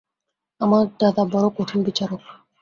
আমার দাদা বড়ো কঠিন বিচারক।